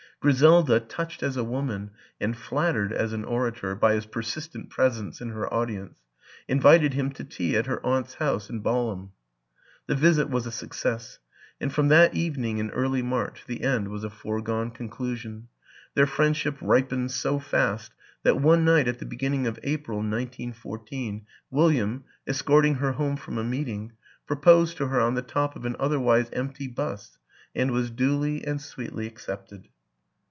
Griselda, touched as a woman and flattered as an orator by his persistent presence in her audience, invited him to tea at her aunt's house in Balham; the visit was a success, and from that evening (in early March) the end was a foregone conclusion. Their friendship ripened so fast that one night at the beginning of April (1914) Wil liam, escorting her home from a meeting, pro posed to her on the top of an otherwise empty 'bus, and was duly and sweetly accepted.